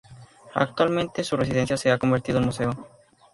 Actualmente, su residencia se ha convertido en museo.